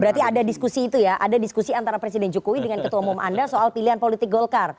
berarti ada diskusi itu ya ada diskusi antara presiden jokowi dengan ketua umum anda soal pilihan politik golkar